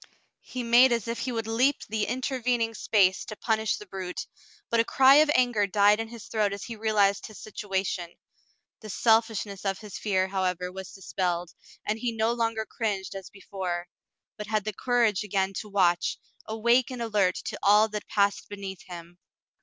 He made as if he would leap the intervening space to punish the brute, but a cry of anger died in his throat as he realized his situation. The selfishness of his fear, however, was dispelled, and he no longer cringed as be fore, but had the courage again to watch, awake and alert to all that passed beneath him.